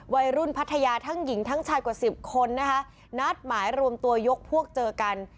พัทยาทั้งหญิงทั้งชายกว่าสิบคนนะคะนัดหมายรวมตัวยกพวกเจอกัน